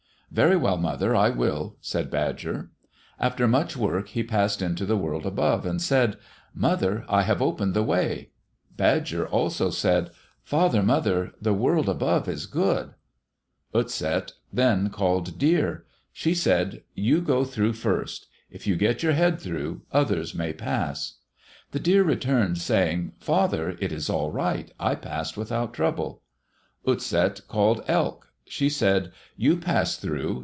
"Very well, mother, I will," said Badger. After much work he passed into the world above, and said, "Mother, I have opened the way." Badger also said, "Father mother, the world above is good." Utset then called Deer. She said, "You go through first. If you can get your head through, others may pass." The deer returned saying, "Father, it is all right. I passed without trouble." Utset called Elk. She said, "You pass through.